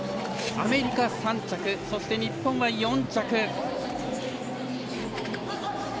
アメリカ３着そして、日本は４着。